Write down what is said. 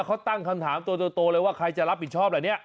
เขาตั้งคำถามตัวเลยว่าใครจะรับผิดชอบล่ะเนี่ย